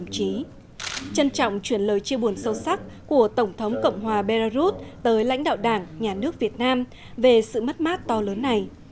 trân trọng truyền lời chia buồn sâu sắc của tổng thống cộng hòa belarus tới lãnh đạo đảng nhà nước việt nam về sự mất mát to lớn này